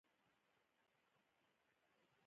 څوک غنم په غنمو نه بدلوي.